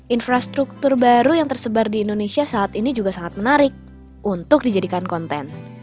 infrastruktur baru yang tersebar di indonesia saat ini juga sangat menarik untuk dijadikan konten